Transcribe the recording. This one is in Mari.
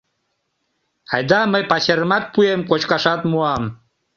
Айда, мый пачерымат пуэм, кочкашат муам...